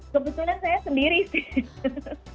kebetulan saya sendiri sih